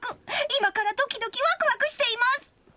今からドキドキワクワクしています！